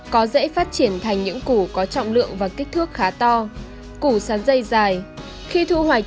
có dễ phát triển thành những củ có trọng lượng và kích thước khá to củ sắn dây dài khi thu hoạch